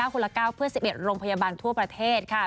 คนละ๙เพื่อ๑๑โรงพยาบาลทั่วประเทศ